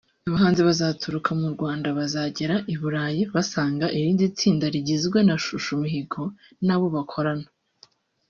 Abahanzi bazaturuka mu Rwanda bazagera i Burayi basanga irindi tsinda rigizwe na Chouchou Mihigo n’abo bakorana